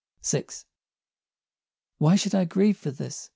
VI. Why should I grieve for this?